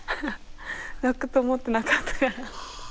泣くと思ってなかったから。